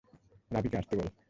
রাভিকে আসতে বল।